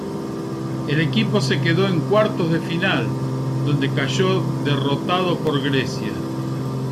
El equipo se quedó en cuartos de final, donde cayó derrotado por Grecia.